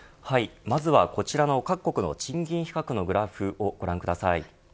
まずは、こちらの各国の賃金比較のグラフをご覧ください。